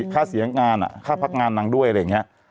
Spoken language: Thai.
ฆ่าเสียงานนางด้วย